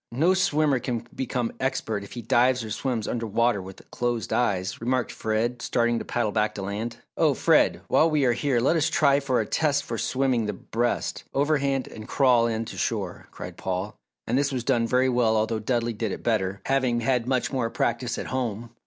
No swimmer can become expert if he dives or swims under water with closed eyes," remarked Fred, starting to paddle back to land. "Oh Fred, while we are here let us try for a test for swimming the breast, overhand, and crawl, in to shore," cried Paul, and this was done very well although Dudley did it better, having had much more practice at home.